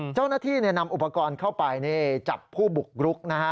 เจ้าหน้าที่นำอุปกรณ์เข้าไปจับผู้บุกรุกนะฮะ